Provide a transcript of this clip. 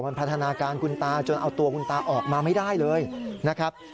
มันพัฒนาการคุณตาจนเอาตัวคุณตาออกมาไม่ได้เลยนะครับ